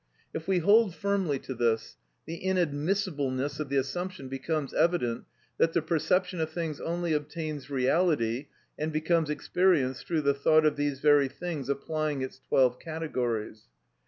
If we hold firmly to this, the inadmissibleness of the assumption becomes evident that the perception of things only obtains reality and becomes experience through the thought of these very things applying its twelve categories.